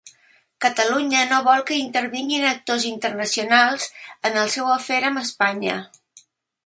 Catalunya no vol que intervinguin actors internacionals en el seu afer amb Espanya